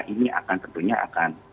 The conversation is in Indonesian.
ini akan tentunya akan